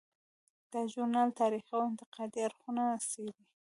دا ژورنال تاریخي او انتقادي اړخونه څیړي.